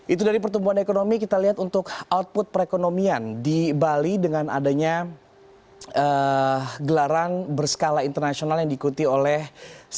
itu dari pertumbuhan ekonomi kita lihat untuk output perekonomian di bali dengan adanya gelaran berskala internasional yang diikuti oleh